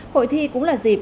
hội thi cũng là dịp